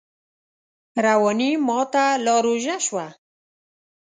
رواني ماته لا ژوره شوه